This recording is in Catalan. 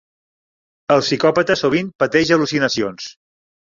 El psicòpata sovint pateix al·lucinacions.